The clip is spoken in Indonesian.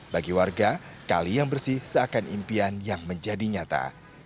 bagi warga kali yang bersih seakan impian yang menjadi nyata